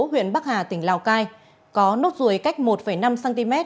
huyện bắc hà tỉnh lào cai có nốt ruồi cách một năm cm